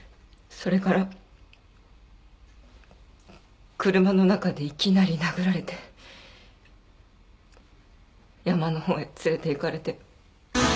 それから車の中でいきなり殴られて山のほうへ連れて行かれて。